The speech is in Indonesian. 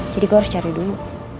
jadi gue harus cari dulu